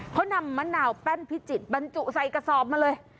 เขานำมะนาวแป้นพิจิตรบรรจุใส่กระสอบมาเลย